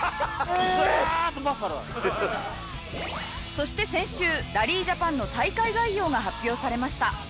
そして先週ラリージャパンの大会概要が発表されました。